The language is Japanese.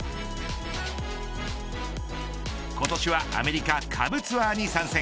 今年はアメリカ下部ツアーに参戦。